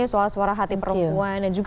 soal suara hati perempuan